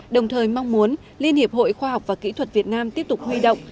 đồng thời mong muốn liên hiệp hội khoa học và kỹ thuật việt nam tiếp tục huy động